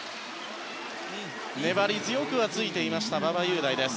粘り強くついていた馬場雄大です。